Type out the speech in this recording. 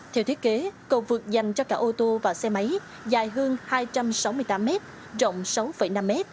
theo thiết kế cầu vượt dành cho cả ô tô và xe máy dài hơn hai trăm sáu mươi tám m rộng sáu năm m